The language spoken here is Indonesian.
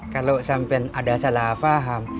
kalo sampain ada salah faham